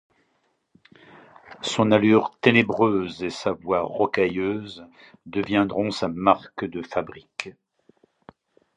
Son allure ténébreuse et sa voix rocailleuse deviendront sa marque de fabrique.